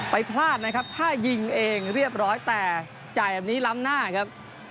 พลาดนะครับถ้ายิงเองเรียบร้อยแต่จ่ายแบบนี้ล้ำหน้าครับ